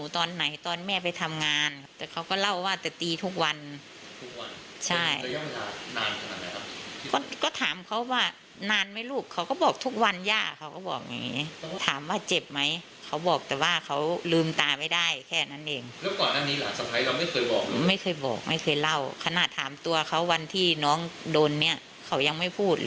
แต่ว่าเขาลืมตาไม่ได้แค่นั้นเอง